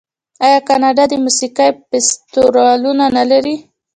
آیا کاناډا د موسیقۍ فستیوالونه نلري؟